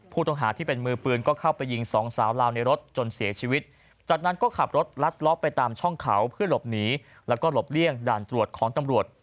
ผู้ต้องหาที่เป็นมือปืนก็เข้าไปยิงสองสาวลาวในรถจนเสียชีวิตจากนั้นก็ขับรถลัดล็อกไปตามช่องเขาเพื่อหลบหนีแล้วก็หลบเลี่ยงด่านตรวจของตำรวจ